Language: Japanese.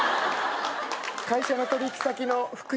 会社の取引先の福井さん。